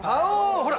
ほら。